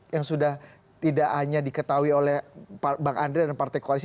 yang sudah tidak hanya diketahui oleh bang andre dan partai koalisi